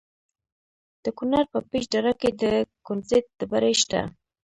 د کونړ په پيچ دره کې د کونزیټ ډبرې شته.